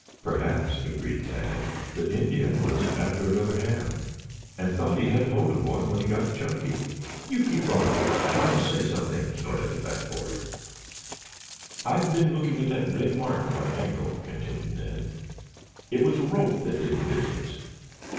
"Perhaps," agreed Tad, "the Indian was after another ham and thought he had hold of one when he got Chunky." "You keep on and I'll say something!" snorted the fat boy. "I have been looking at that red mark on my ankle," continued Ned. "It was a rope that did the business.